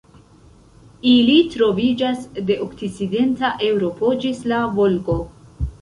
Ili troviĝas de okcidenta Eŭropo ĝis la Volgo.